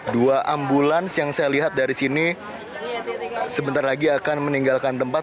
dua ambulans yang saya lihat dari sini sebentar lagi akan meninggalkan tempat